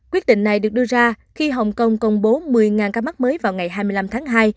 quyết định này được đưa ra khi hồng kông công bố một mươi ca mắc mới vào ngày hai mươi năm tháng hai